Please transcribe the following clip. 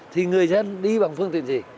thì người dân đi bằng phương tiện gì